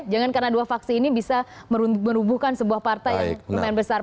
jangan karena dua faksi ini bisa menubuhkan sebuah partai yang lumayan besar